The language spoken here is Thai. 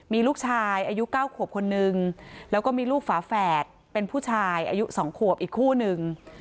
มีลูกชายอายุ๙ขวบคนนึงแล้วก็มีลูกฝาแฝดเป็นผู้ชายอายุ๒ขวบอีกคู่นึง